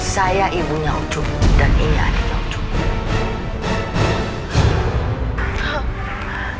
saya ibunya ucup dan ini adiknya ucup